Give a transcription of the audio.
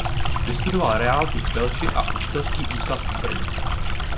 Vystudoval reálku v Telči a učitelský ústav v Brně.